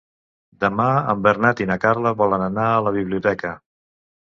Demà en Bernat i na Carla volen anar a la biblioteca.